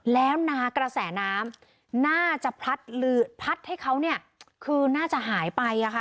แล้วนากระแสน้ำน่าจะพลัดให้เขาเนี่ยคือน่าจะหายไป